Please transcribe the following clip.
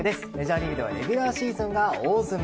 メジャーリーグではレギュラーシーズンが大詰め。